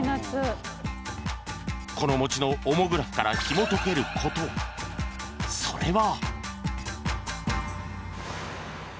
このもちのオモグラフからひもとける事それは